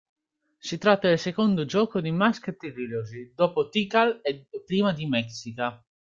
Si tratta del secondo gioco di Mask Trilogy, dopo "Tikal" e prima di "Mexica".